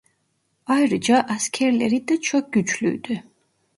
Ayrıca askerleri de çok güçlüydü.